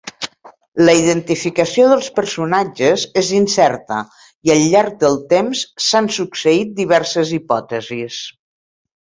La identificació dels personatges és incerta i al llarg del temps s'han succeït diverses hipòtesis.